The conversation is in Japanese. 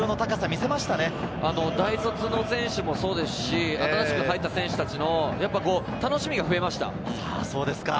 大卒の選手もそうですし、新しく入った選手たちも楽しみが増えました。